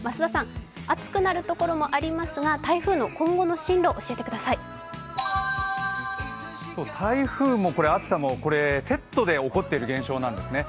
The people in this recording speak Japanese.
暑くなるところもありますが台風の今後の進路、教えてください台風も暑さもセットで起こっている現象なんですね。